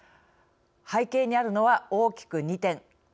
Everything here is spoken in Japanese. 背景にあるのは、大きく２点。